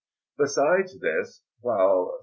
Besides this, while S.